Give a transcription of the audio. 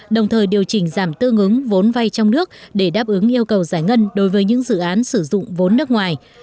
đồng thời điều chỉnh giảm tư ứng vốn vay trong nước để đáp ứng yêu cầu giải ngân đối với những dự án sử dụng vốn nước ngoài